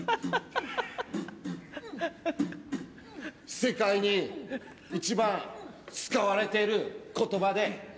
世界に一番使われている言葉で